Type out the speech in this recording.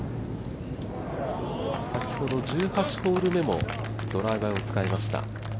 先ほど１８ホール目も、ドライバーを使いました。